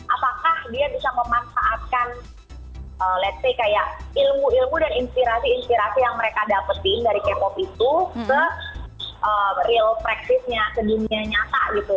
apakah dia bisa memanfaatkan ⁇ lets ⁇ say kayak ilmu ilmu dan inspirasi inspirasi yang mereka dapetin dari k pop itu ke real practice nya ke dunia nyata gitu